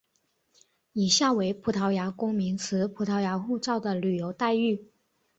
以下为葡萄牙公民持葡萄牙护照的旅游待遇。